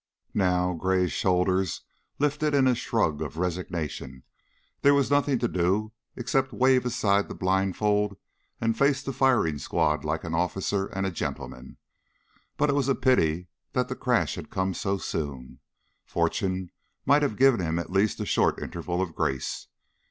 Now Gray's shoulders lifted in a shrug of resignation there was nothing to do except wave aside the blindfold and face the firing squad like an officer and a gentleman. But it was a pity that the crash had come so soon; fortune might have given him at least a short interval of grace.